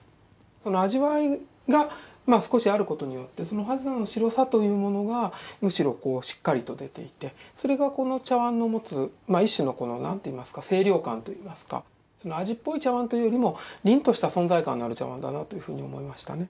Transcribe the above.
味わいが少しある事によってその肌の白さというものがむしろしっかりと出ていてそれがこの茶碗の持つ一種のこの何と言いますか清涼感といいますか味っぽい茶碗というよりも凛とした存在感のある茶碗だなというふうに思いましたね。